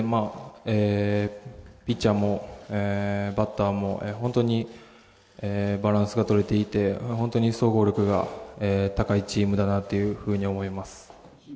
ピッチャーもバッターも本当にバランスがとれていて総合力が高いチームだなと思います。